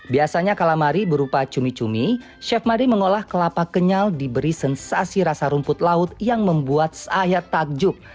biasanya kalamari berupa cumi cumi chef mari mengolah kelapa kenyal diberi sensasi rasa rumput laut yang membuat saya takjub